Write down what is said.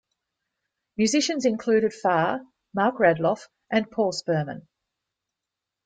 Musicians included Farr, Mark Radloff and Paul Sperman.